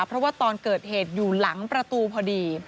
เพราะว่าตอนเกิดเหตุอยู่หลังประตูพอดี